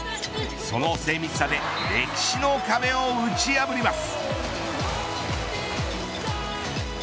その精密さで歴史の壁を打ち破ります。